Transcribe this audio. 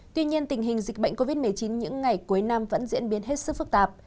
tuy nhiên tình hình dịch bệnh covid một mươi chín những ngày cuối năm vẫn diễn biến hết sức phức tạp